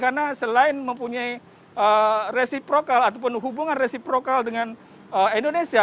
karena resiprokal ataupun hubungan resiprokal dengan indonesia